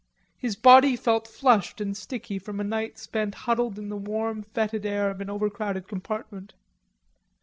His body felt flushed and sticky from a night spent huddled in the warm fetid air of an overcrowded compartment.